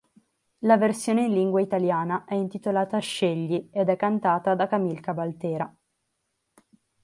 La versione in lingua italiana è intitolata "Scegli" ed è cantata da Camille Cabaltera.